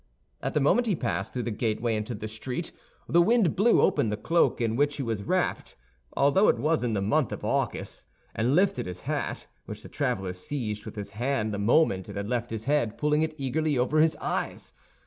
At the moment he passed through the gateway into the street, the wind blew open the cloak in which he was wrapped, although it was in the month of August, and lifted his hat, which the traveler seized with his hand the moment it had left his head, pulling it eagerly over his eyes.